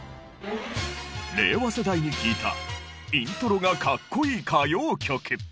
令和世代に聞いたイントロが格好いい歌謡曲。